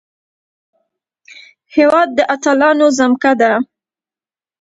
هېواد د اتلانو ځمکه ده